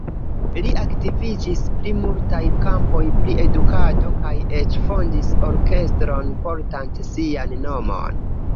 Li aktiviĝis pri multaj kampoj pri edukado kaj eĉ fondis orkestron portante sian nomon.